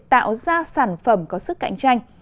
tạo ra sản phẩm có sức cạnh tranh